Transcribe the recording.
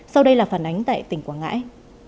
sau đây là phản ánh tại tỉnh quảng ngãi